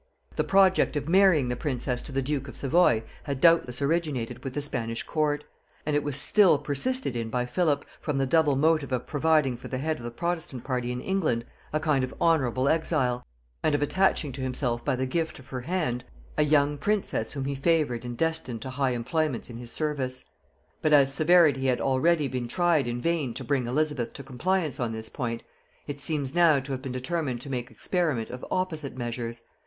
The project of marrying the princess to the duke of Savoy had doubtless originated with the Spanish court; and it was still persisted in by Philip, from the double motive of providing for the head of the protestant party in England a kind of honorable exile, and of attaching to himself by the gift of her hand, a young prince whom he favored and destined to high employments in his service. But as severity had already been tried in vain to bring Elizabeth to compliance on this point, it seems now to have been determined to make experiment of opposite measures.